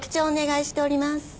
お願いしております。